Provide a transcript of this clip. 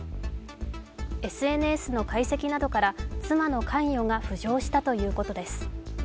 ＳＮＳの解析などから妻の関与が浮上したということです。